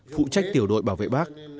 phụ trách tiểu đội bảo vệ bác